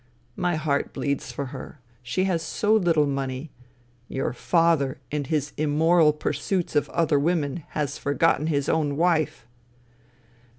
My heart bleeds for her. She has so little money Your father in his immoral pursuits of other women has forgotten his own wife."